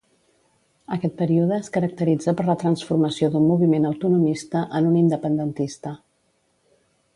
Aquest període es caracteritza per la transformació d'un moviment autonomista en un independentista.